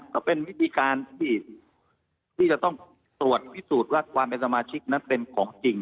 ก็เป็นวิธีการที่จะต้องตรวจพิสูจน์ว่าความเป็นสมาชิกนั้นเป็นของจริง